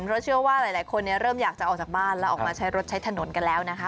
เพราะเชื่อว่าหลายคนเริ่มอยากจะออกจากบ้านแล้วออกมาใช้รถใช้ถนนกันแล้วนะคะ